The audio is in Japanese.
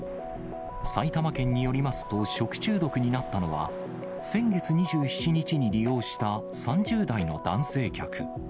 埼玉県によりますと、食中毒になったのは、先月２７日に利用した３０代の男性客。